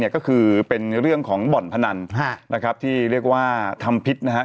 ก็คือเป็นเรื่องของบ่อนพนันนะครับที่เรียกว่าทำพิษนะครับ